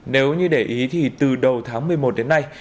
nếu như để ý thì từ đầu tháng một mươi một đến nay